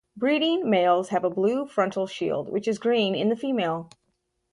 Breeding males have a blue frontal shield, which is green in the female.